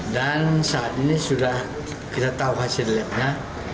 dan saat ini sudah kita tahu hasilnya